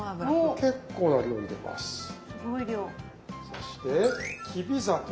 そしてきび砂糖。